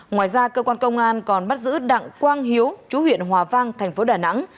ngoài ra cơ quan công an còn bắt giữ đặng quang hiếu chú huyện hòa vang tp đà nẵng